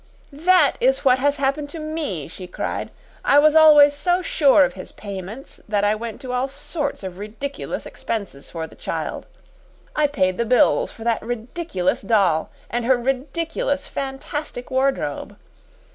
"That is what has happened to me!" she cried. "I was always so sure of his payments that I went to all sorts of ridiculous expenses for the child. I paid the bills for that ridiculous doll and her ridiculous fantastic wardrobe.